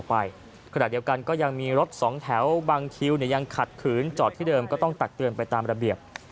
ขณะเดียวกันก็ยังมีรถสองแถวบางคิวเนี่ยยังขัดขืนจอดที่เดิมก็ต้องตักเตือนไปตามระเบียบ